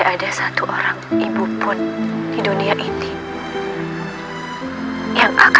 karena ibu yang sudah menjadi